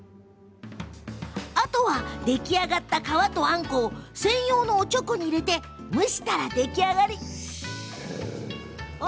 あとは出来上がった皮とあんこを専用のおちょこに入れて蒸したら出来上がりです。